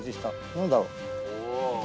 何だろう？